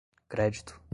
crédito